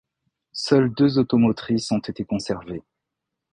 Seules deux automotrices ont été conservées.